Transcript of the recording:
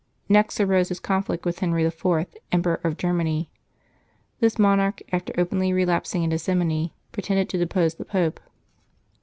N"ext arose his conflict with Henry IV., Emperor of Ger many. This monarch, after openly relapsing into simony, pretended to depose the Pope.